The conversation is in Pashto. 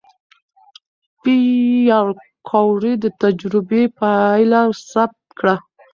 پېیر کوري د تجربې پایله ثبت کړه.